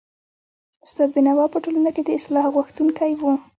استاد بينوا په ټولنه کي د اصلاح غوښتونکی و.